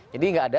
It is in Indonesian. jadi nggak ada